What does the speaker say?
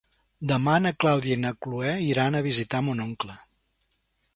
Demà na Clàudia i na Cloè iran a visitar mon oncle.